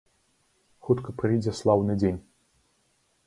Хутка прыйдзе слаўны дзень.